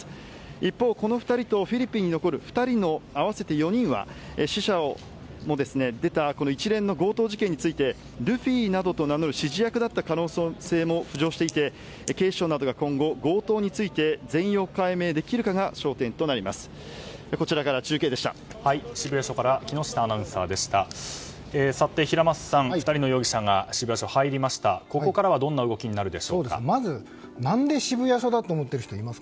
一方、この２人とフィリピンに残る２人の合わせて４人は、死者も出た一連の強盗事件についてルフィなどと名乗る指示役だった可能性も浮上していて警視庁などが今後、強盗について全容解明できるかが焦点となります。